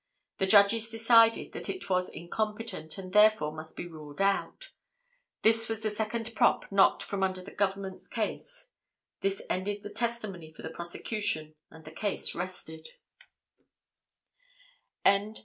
The Judges decided that it was incompetent and therefore must be ruled out. This was the second prop knocked from under the Government's case. This ended the testimony for the prosecution and the case rested.